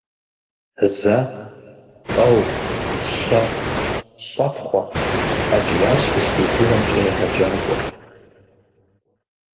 Зэ, тӏэу, щэ, щӏэпхъуэ! - къэкӏиящ физкультурэмкӏэ егъэджакӏуэр.